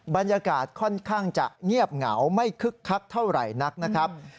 บรรยากาศค่อนข้างจะเงียบเหงาไม่คึกคักเท่าไหร่นักนะครับ